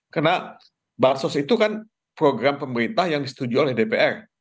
karena bansos itu kan program pemerintah yang disetujui oleh dpr